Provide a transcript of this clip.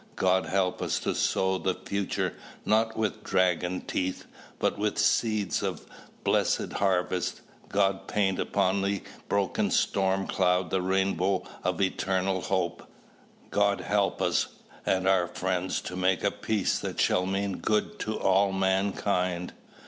God help us to sow the future not with dragon's teeth, but with seeds of blessed harvest. God paint upon the broken storm cloud the rainbow of eternal hope. God help us and our friends to make a peace that shall mean good to all mankind.